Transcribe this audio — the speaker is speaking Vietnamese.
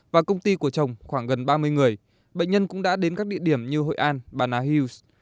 và công ty của chồng khoảng gần ba mươi người bệnh nhân cũng đã đến các địa điểm như hội an bana hills